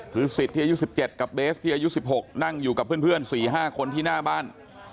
คือสิทธิ์ที่อายุสิบเจ็ดกับเบสที่อายุสิบหกนั่งอยู่กับเพื่อนเพื่อนสี่ห้าคนที่หน้าบ้าน